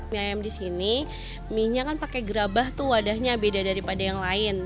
mie ayam di sini mie nya kan pakai gerabah tuh wadahnya beda daripada yang lain